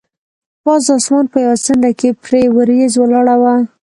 پاس د اسمان په یوه څنډه کې پرې وریځ ولاړه وه.